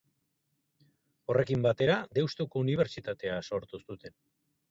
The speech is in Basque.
Horrekin batera Deustuko Unibertsitatea sortu zuten.